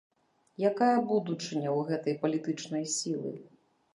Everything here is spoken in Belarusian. Якая будучыня ў гэтай палітычнай сілы?